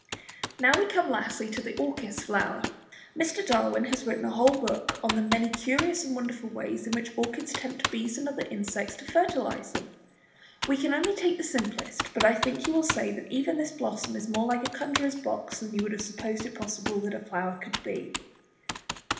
Now we come lastly to the Orchis flower. Mr. Darwin has written a whole book on the many curious and wonderful ways in which orchids tempt bees and other insects to fertilize them. We can only take the simplest, but I think you will say that even this blossom is more like a conjuror's box than you would have supposed it possible that a flower could be.